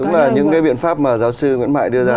là những cái biện pháp mà giáo sư nguyễn mại đưa ra